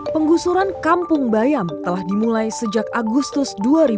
penggusuran kampung bayam telah dimulai sejak agustus dua ribu dua puluh